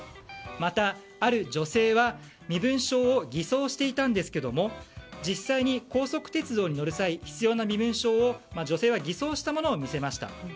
また、ある女性は身分証を偽造していたんですけど実際に高速鉄道に乗る際に必要な身分証を女性は偽装したものを見せました。